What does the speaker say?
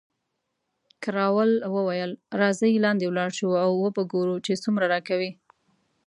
کراول وویل، راځئ لاندې ولاړ شو او وو به ګورو چې څومره راکوي.